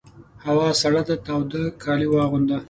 هوا سړه ده تاوده کالي واغونده!